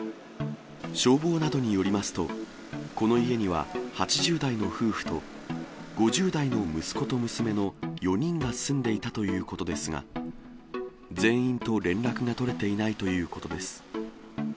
消防などによりますと、この家には８０代の夫婦と、５０代の息子と娘の４人が住んでいたということですが、全員と連絡が取れていないということです。